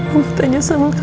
apa yang buat dia sangat yakin